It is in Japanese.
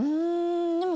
でも。